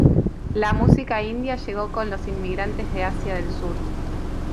La música india llegó con los inmigrantes de Asia del Sur.